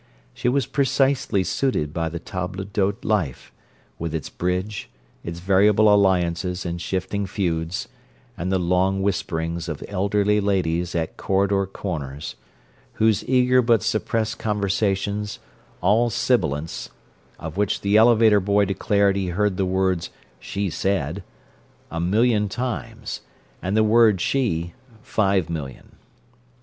She was precisely suited by the table d'hote life, with its bridge, its variable alliances and shifting feuds, and the long whisperings of elderly ladies at corridor corners—those eager but suppressed conversations, all sibilance, of which the elevator boy declared he heard the words "she said" a million times and the word "she," five million.